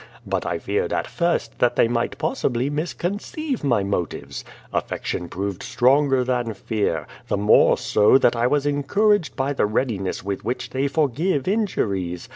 But I feared at first that they might possibly misconceive my motives. Af fection proved stronger than fear, the more so that I was encouraged by the readiness with which they forgive injuries.